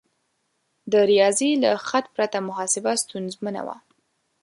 د ریاضي له خط پرته محاسبه ستونزمنه وه.